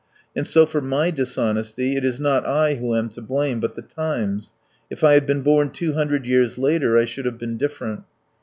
... And so for my dishonesty it is not I who am to blame, but the times.... If I had been born two hundred years later I should have been different.